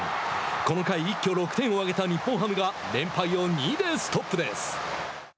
この回、一挙６点を挙げた日本ハムが連敗を２でストップです。